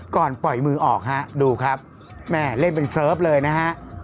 ก่อนปล่อยมือออกฮะดูครับแม่เล่นเป็นเสิร์ฟเลยนะฮะ